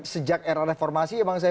sejak era reformasi